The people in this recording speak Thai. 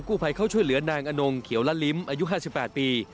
ผู้ภัยเข้าช่วยเหลือนางอนงเขียวละลิ้มอายุ๕๘ปี